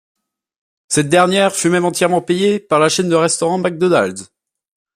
Cette dernière fut même entièrement payée par la chaîne de restaurants McDonald's.